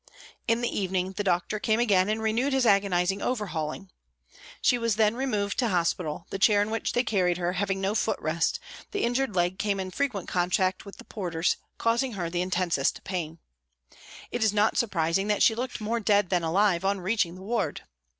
In the evening the doctor came again and renewed his agonising overhauling. She was then removed to hospital, the chair in which they carried her, having no foot rest, the injured leg came in frequent contact with the porters, causing her the intensest pain. It is not surprising that she looked more dead than alive on reaching the ward.